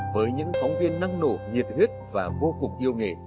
với những phóng viên năng nổ nhiệt huyết và vô cùng yêu nghề